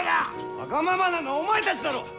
わがままなのはお前たちだろう！